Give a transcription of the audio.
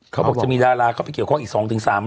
เขาบอกจะมีดาราเข้าไปเกี่ยวข้องอีก๒๓๐๐